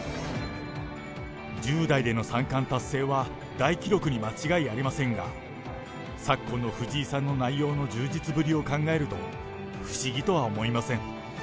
１０代での三冠達成は大記録に間違いありませんが、昨今の藤井さんの内容の充実ぶりを考えると、不思議とは思いません。